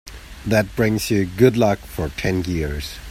That brings you good luck for ten years.